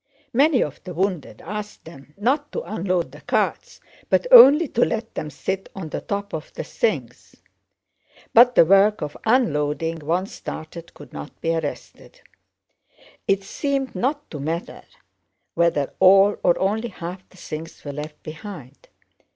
Many of the wounded asked them not to unload the carts but only to let them sit on the top of the things. But the work of unloading, once started, could not be arrested. It seemed not to matter whether all or only half the things were left behind.